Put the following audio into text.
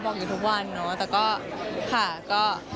บอกอยู่ทุกวันเนอะแต่ก็ค่ะก็